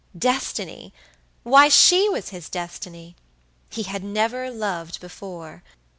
Destiny! Why, she was his destiny! He had never loved before.